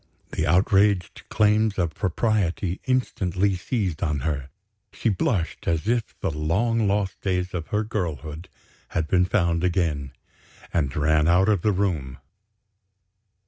The outraged claims of propriety instantly seized on her. She blushed as if the long lost days of her girlhood had been found again, and ran out of the room.